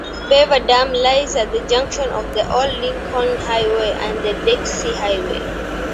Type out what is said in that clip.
Beaverdam lies at the junction of the old Lincoln Highway and the Dixie Highway.